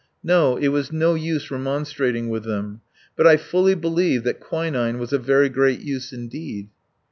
No, it was no use remonstrating with them. But I fully believed that quinine was of very great use indeed.